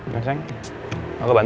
benga mau naffek arak